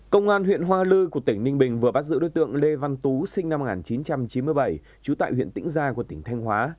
công an huyện hoa lư của tỉnh ninh bình vừa bắt giữ đối tượng lê văn tú sinh năm một nghìn chín trăm chín mươi bảy trú tại huyện tĩnh gia của tỉnh thanh hóa